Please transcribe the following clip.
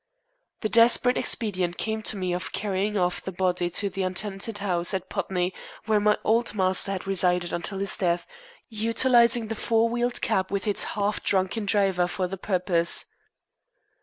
The desperate expedient came to me of carrying off the body to the untenanted house at Putney where my old master had resided until his death, utilizing the four wheeled cab with its half drunken driver for the purpose.